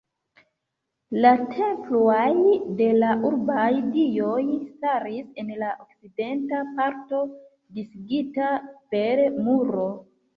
La temploj de la urbaj dioj staris en la okcidenta parto, disigita per muro.